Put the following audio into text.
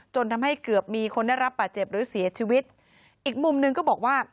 ทำให้เกือบมีคนได้รับป่าเจ็บหรือเสียชีวิตอีกมุมหนึ่งก็บอกว่า